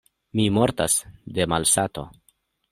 Mi mortas de malsato!